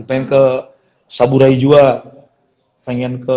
pengen ke saburai jua